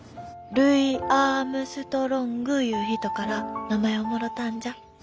ルイ・アームストロングいう人から名前をもろたんじゃ。